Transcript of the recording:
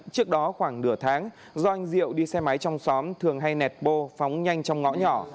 trước đó khoảng nửa tháng do anh diệu đi xe máy trong xóm thường hay nẹt bô phóng nhanh trong ngõ nhỏ